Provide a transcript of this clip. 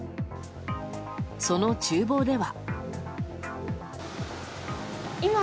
その厨房では。